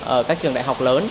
ở các trường đại học lớn